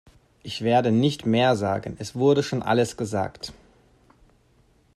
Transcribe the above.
Ich werde nicht mehr sagen, es wurde schon alles gesagt.